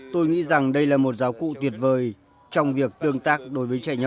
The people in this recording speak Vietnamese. tôi nghĩ rằng đây là một giáo cụ tuyệt vời trong việc tương tác đối với trẻ nhỏ